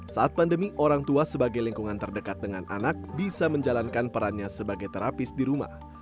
saat pandemi orang tua sebagai lingkungan terdekat dengan anak bisa menjalankan perannya sebagai terapis di rumah